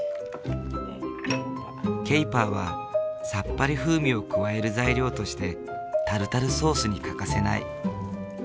ケイパーはさっぱり風味を加える材料としてタルタルソースに欠かせない。